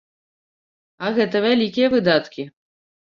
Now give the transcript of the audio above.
А гэта вялікія выдаткі.